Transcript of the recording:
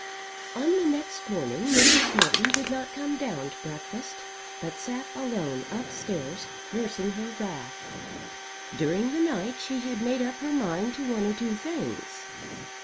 On the next morning Mrs. Morton did not come down to breakfast, but sat alone upstairs nursing her wrath. During the night she had made up her mind to one or two things.